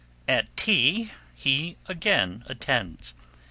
At tea he again attends.